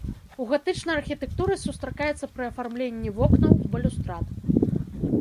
У гатычнай архітэктуры сустракаецца пры афармленні вокнаў, балюстрад.